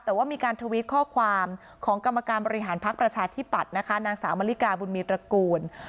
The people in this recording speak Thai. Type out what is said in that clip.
แต่ว่ามีการทวิตข้อความของกรรมการบริหารพักประชาธิปัตย์นะคะนางสาวมริกาบุญมีตระกูล